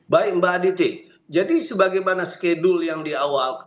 baik mbak aditi jadi sebagaimana schedule yang di awal